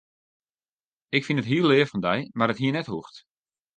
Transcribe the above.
Ik fyn it hiel leaf fan dy, mar it hie net hoegd.